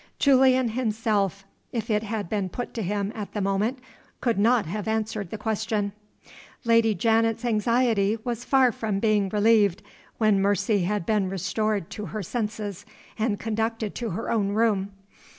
Julian himself, if it had been put to him at the moment, could not have answered the question. Lady Janet's anxiety was far from being relieved when Mercy had been restored to her senses and conducted to her own room.